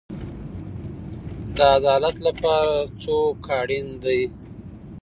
د عدالت لپاره څوک اړین دی؟